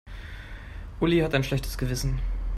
Uli hat ein schlechtes Gewissen.